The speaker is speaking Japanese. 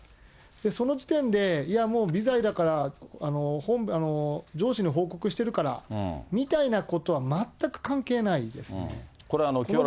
その時点で、いや、もう、微罪だから、上司に報告してるからみたいなことは、全く関係ないですね。